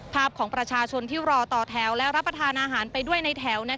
ภาพของประชาชนที่รอต่อแถวและรับประทานอาหารไปด้วยในแถว